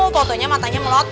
kalo tanya matanya melotot